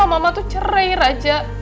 ada apa ya